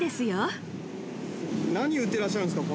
何売ってらっしゃるんですか？